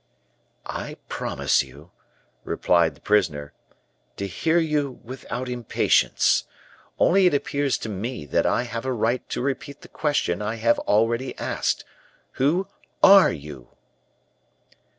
"I promise you," replied the prisoner, "to hear you without impatience. Only it appears to me that I have a right to repeat the question I have already asked, 'Who are you?